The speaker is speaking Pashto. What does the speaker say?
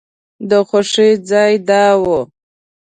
د خوښۍ ځای دا و.